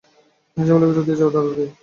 এত ঝামেলার ভেতর দিয়ে যাওয়ার দরকার কি?